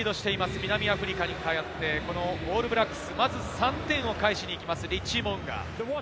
南アフリカに対して、オールブラックス、まず３点を返しに行きます。